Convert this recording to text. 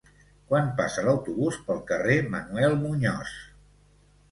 Quan passa l'autobús pel carrer Manuel Muñoz?